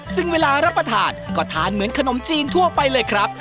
ซึ่งเวลารับประทานก็ทานเหมือนขนมจีนทั่วไปเลยครับ